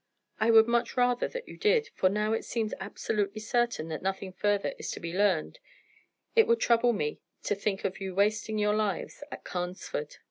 I would much rather that you did, for now it seems absolutely certain that nothing further is to be learned, it would trouble me to think of you wasting your lives at Carnesford.